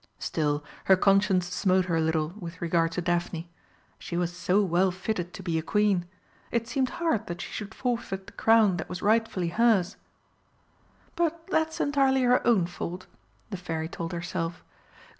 Still, her conscience smote her a little with regard to Daphne. She was so well fitted to be a Queen it seemed hard that she should forfeit the crown that was rightfully hers. "But that's entirely her own fault!" the Fairy told herself.